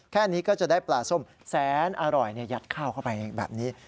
แค่นี้ก็จะได้ปลาส้มแสนอร่อยยัดข้าวเข้าไปแบบนี้